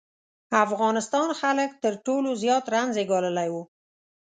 افغانستان خلک تر ټولو زیات رنځ یې ګاللی و.